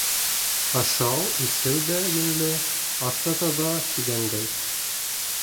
Ашау-эсеү ҙә йүнле, аҫ та таҙа, тигәндәй.